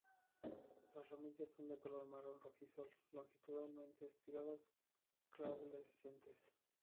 Las ramillas son de color marrón rojizo, longitudinalmente estriadas, glabrescentes.